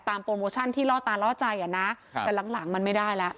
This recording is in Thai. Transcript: โปรโมชั่นที่ล่อตาล่อใจอ่ะนะแต่หลังหลังมันไม่ได้แล้ว